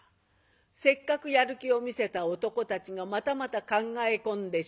せっかくやる気を見せた男たちがまたまた考え込んでしまった。